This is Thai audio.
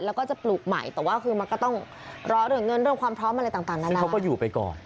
แล้วก็จะปลูกใหม่แต่ว่าคือมันก็ต้องร้อนเงินเรื่องความพร้อมอะไรต่างนั้น